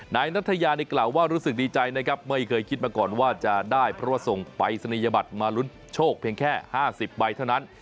นายนัทยานี่กล่าวว่ารู้สึกดีใจนะครับไม่เคยคิดมาก่อนว่าจะได้เพราะว่าส่งปรายศนียบัตรมาลุ้นโชคเพียงแค่๕๐ใบเท่านั้น